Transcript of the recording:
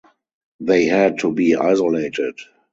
They had to be isolated.